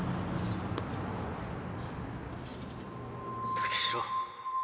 武四郎